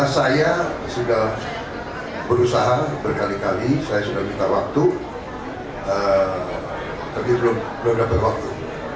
saya sudah berusaha berkali kali saya sudah minta waktu tapi belum dapat waktu